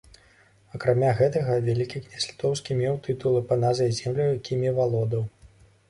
Акрамя гэтага, вялікі князь літоўскі меў тытулы па назве земляў, якімі валодаў.